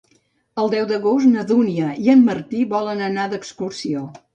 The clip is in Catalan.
El deu d'agost na Dúnia i en Martí volen anar d'excursió.